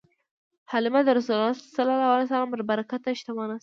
حلیمه د رسول الله ﷺ له برکته شتمنه شوه.